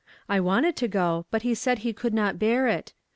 I waiitod to go, but lie said ho could not bear it.